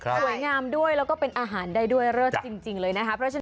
สวยงามด้วยแล้วก็เป็นอาหารได้ด้วยเริ่มจริงเลยนะครับ